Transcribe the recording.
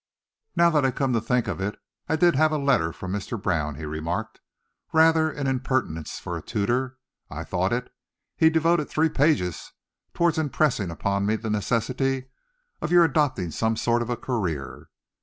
"Now I come to think of it, I did have a letter from Mr. Brown," he remarked. "Rather an impertinence for a tutor, I thought it. He devoted three pages towards impressing upon me the necessity of your adopting some sort of a career."